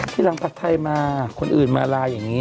ที่หลังปลาไทมาคนอื่นมาล่ะอย่างงี้